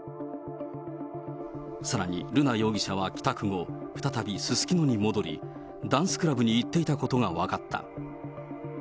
さらに瑠奈容疑者は帰宅後、再びすすきのに戻り、ダンスクラブに行っていたことが分かった。